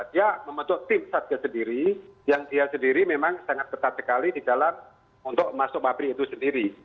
dia membentuk tim satgas sendiri yang dia sendiri memang sangat ketat sekali di dalam untuk masuk pabrik itu sendiri